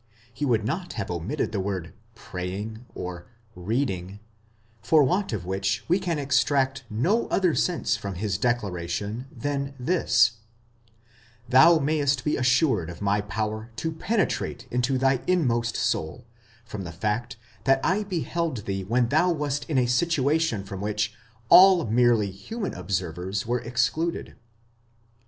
he would not have omitted the word προσευχόμενον (praying), or ἀναγινώσκοντα (reading), for want of which we can extract no other sense from his declaration than this : "Thou mayest be assured of my power to penetrate into thy inmost soul, from the fact that I beheld thee when thou wast in a situation from which all merely human observers were excluded."